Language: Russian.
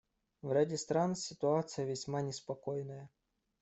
В ряде стран ситуация весьма неспокойная.